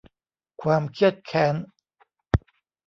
ความเคียดแค้น